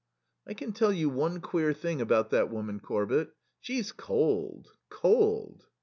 "I can tell you one queer thing about that woman, Corbett. She's cold cold."